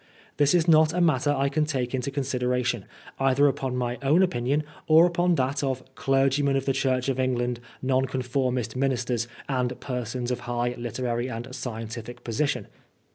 This is not a matter I can take into consideration, either upon my own opinion or upon that of * clergymen of the Church of England, Noncon formist ministers, and persons of high literary and scientific position.'